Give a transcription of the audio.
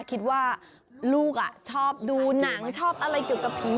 คิดว่าลูกชอบดูหนังชอบอะไรเกี่ยวกับผี